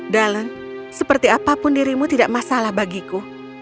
dalen seperti apapun dirimu tidak masalah bagiku